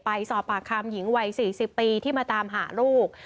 ไปสอบปากคำหญิงวัย๔๐ปีที่มาตามหาลูก